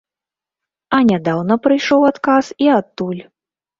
А нядаўна прыйшоў адказ і адтуль.